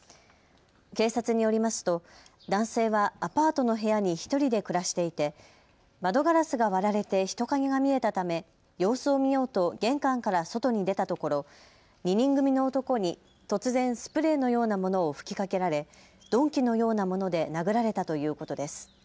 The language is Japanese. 警察によりますと男性はアパートの部屋に１人で暮らしていて窓ガラスが割られて人影が見えたため様子を見ようと玄関から外に出たところ２人組の男に突然、スプレーのようなものを吹きかけられ鈍器のようなもので殴られたということです。